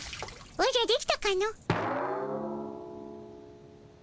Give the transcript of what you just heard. おじゃできたかの。